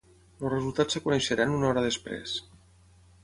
Els resultats es coneixeran una hora després.